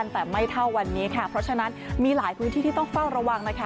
แต่ไม่เท่าวันนี้ค่ะเพราะฉะนั้นมีหลายพื้นที่ที่ต้องเฝ้าระวังนะคะ